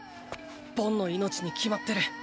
ボンの命に決まってる。